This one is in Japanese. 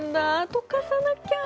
溶かさなきゃ。